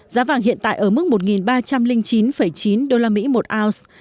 giá vàng hiện tại ở mức một ba trăm linh chín chín usd một ounce